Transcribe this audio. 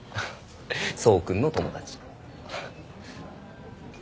想君の友達。